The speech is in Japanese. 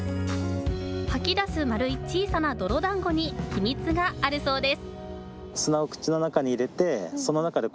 吐き出す丸い小さな泥だんごに秘密があるそうです。